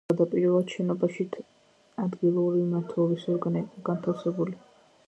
თავდაპირველად შენობაში ადგილობირივი მმართველობის ორგანო იყო განთავსებული.